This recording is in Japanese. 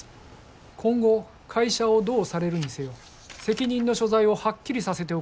今後会社をどうされるにせよ責任の所在をはっきりさせておく必要があります。